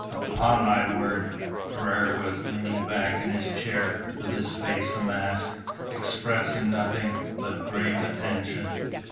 "Upon my word!" Ferrars was leaning back in his chair with his face a mask, expressing nothing but grave attention.